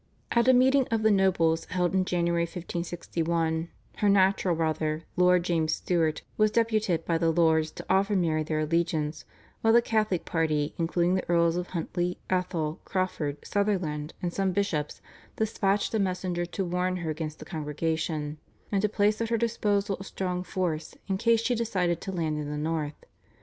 At a meeting of the nobles held in January 1561 her natural brother, Lord James Stuart, was deputed by the lords to offer Mary their allegiance, while the Catholic party including the Earls of Huntly, Atholl, Crawford, Sutherland, and some bishops, dispatched a messenger to warn her against the Congregation, and to place at her disposal a strong force in case she decided to land in the north.